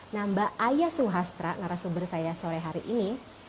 nah mbak aya suhastra narasumber saya sore hari ini